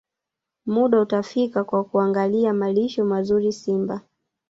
Muda utafika wa kuangalia malisho mazuri Simba